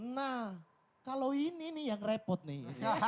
nah kalau ini nih yang repot nih